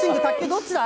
どっちだ？